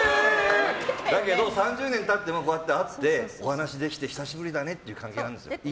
だけど、３０年経ってもこうやって会ってお話しできて、久しぶりだねといういい関係なんですよ。